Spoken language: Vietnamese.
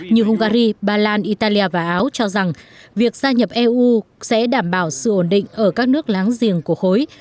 như hungary ba lan italia và áo cho rằng việc gia nhập eu sẽ đảm bảo sự ổn định ở các nước láng giềng của khối